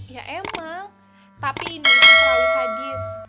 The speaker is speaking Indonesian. ya emang tapi ini bukan selalu hadis